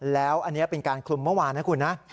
แล้วอันนี้เป็นการคลุมเมื่อวานนะคุณนะ